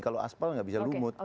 kalau aspal nggak bisa lumut